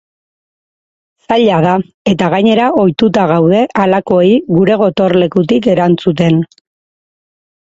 Zaila da eta gainera ohituta gaude halakoei gure gotorlekutik erantzuten.